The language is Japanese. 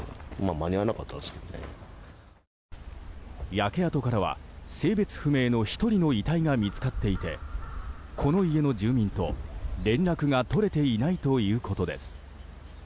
焼け跡からは性別不明の１人の遺体が見つかっていてこの家の住民と、連絡が取れていないということです。